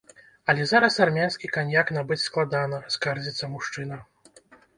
Але зараз армянскі каньяк набыць складана, скардзіцца мужчына.